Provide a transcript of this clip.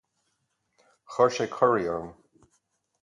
Chuir sé corraí orm.